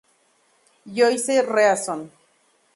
Joyce Reason.